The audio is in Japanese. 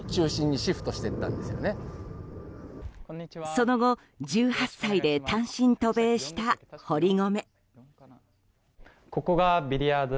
その後１８歳で単身渡米した堀米。